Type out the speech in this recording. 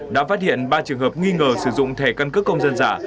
đã phát hiện ba trường hợp nghi ngờ sử dụng thẻ căn cước công dân giả